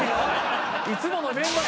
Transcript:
いつものメンバー。